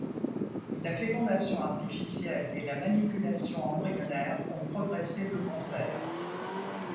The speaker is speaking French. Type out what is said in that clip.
La fécondation artificielle et la manipulation embryonnaire ont progressé de concert.